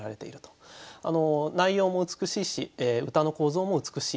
内容も美しいし歌の構造も美しい端正な一首です。